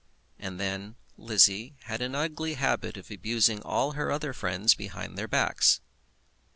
And then Lizzie had an ugly habit of abusing all her other friends behind their backs.